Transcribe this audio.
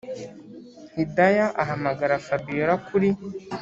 hidaya ahamagara fabiora kuri